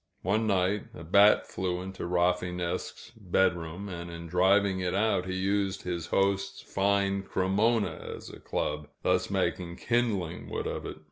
One night, a bat flew into Rafinesque's bedroom, and in driving it out he used his host's fine Cremona as a club, thus making kindling wood of it.